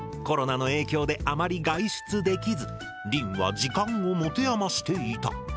コロナの影響であまり外出できずりんは時間を持て余していた。